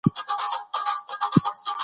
چې تاسو یې د لاسه ورکولو توان نلرئ